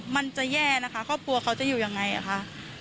มันจะแย่นะคะครอบครัวเขาจะอยู่ยังไงอ่ะคะ